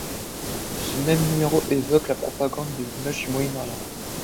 Ce même numéro évoque la propagande de l'image au Moyen-Orient.